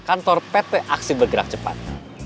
kantor pt aksi bergerak cepat